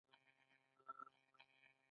هغوی په تاوده دښته کې پر بل باندې ژمن شول.